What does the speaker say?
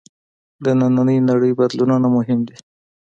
د نننۍ نړۍ بدلونونه مهم دي.